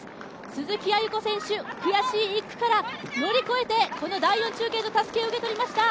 鈴木亜由子選手、悔しい１区から乗り越えて、第４中継所、たすきを受け取りました。